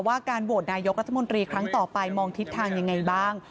ว่าการโหวตนายกรัฐมนตรีครั้งต่อไปมองทิศทางยังไงบ้าง